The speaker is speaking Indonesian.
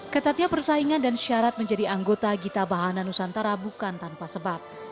ketatnya persaingan dan syarat menjadi anggota gita bahana nusantara bukan tanpa sebab